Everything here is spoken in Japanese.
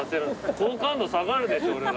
好感度下がるでしょ俺ら。